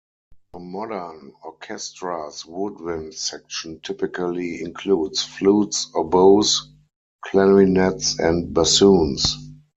The modern orchestra's woodwind section typically includes: flutes, oboes, clarinets, and bassoons.